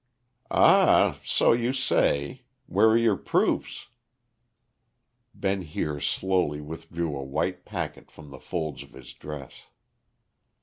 "Ah, so you say. Where are your proofs?" Ben Heer slowly withdrew a white packet from the folds of his dress.